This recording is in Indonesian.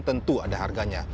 tentu ada harganya